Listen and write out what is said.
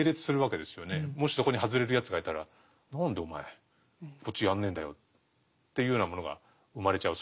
もしそこに外れるやつがいたら「何でお前こっちやんねえんだよ」っていうようなものが生まれちゃう。